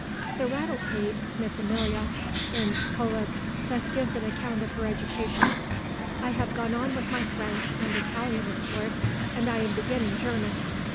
'" The rattle pate, Miss Amelia, in Cœlebs thus gives an account of her education: "I have gone on with my French and Italian of course, and I am beginning German.